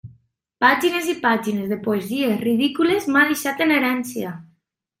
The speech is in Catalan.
Pàgines i pàgines de poesies ridícules m'ha deixat en herència!